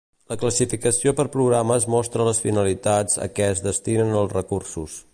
La classificació per programes mostra les finalitats a què es destinen els recursos.